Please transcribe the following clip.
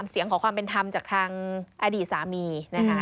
เสียงขอความเป็นธรรมจากทางอดีตสามีนะคะ